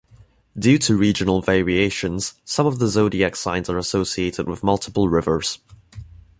Due to regional variations, some of the zodiac signs are associated with multiple rivers.